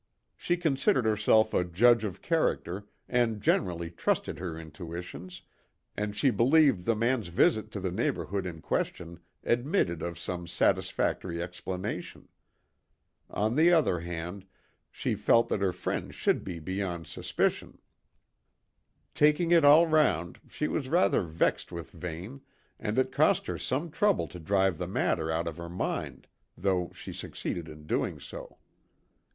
She considered herself a judge of character and generally trusted her intuitions, and she believed the man's visit to the neighbourhood in question admitted of some satisfactory explanation. On the other hand, she felt that her friends should be beyond suspicion. Taking it all round, she was rather vexed with Vane, and it cost her some trouble to drive the matter out of her mind, though she succeeded in doing so.